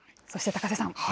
そして高瀬さん。